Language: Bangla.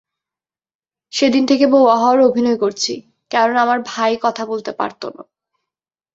সেদিন থেকে বোবা হওয়ার অভিনয় করছি, কেননা আমার ভাই কথা বলতে পারতো না।